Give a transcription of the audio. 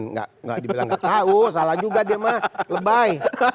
enggak enggak dibilang enggak tahu salah juga dia mah lebay